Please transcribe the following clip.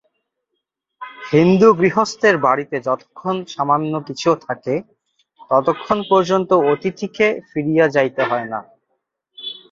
হিন্দুগৃহস্থের বাড়ীতে যতক্ষণ সামান্য কিছুও থাকে, ততক্ষণ পর্যন্ত অতিথিকে ফিরিয়া যাইতে হয় না।